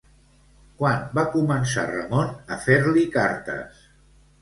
Quan va començar Ramon a fer-li cartes?